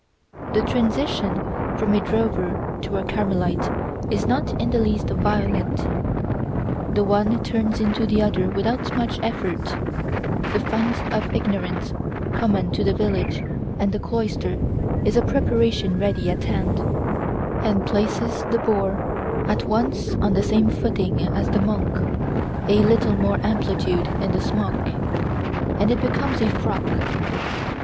The transition from a drover to a Carmelite is not in the least violent; the one turns into the other without much effort; the fund of ignorance common to the village and the cloister is a preparation ready at hand, and places the boor at once on the same footing as the monk: a little more amplitude in the smock, and it becomes a frock.